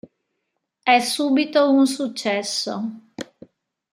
È subito un successo.